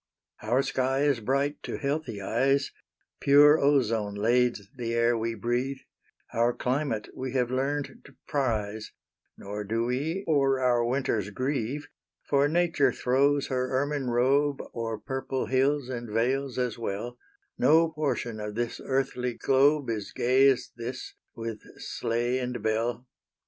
Our sky is bright to healthy eyes; Pure ozone lades the air we breathe; Our climate we have learned to prize; Nor do we o'er our winters grieve; For nature throws her ermine robe O'er purple hills and vales as well; No portion of this earthly globe As gay as this, with sleigh and bell.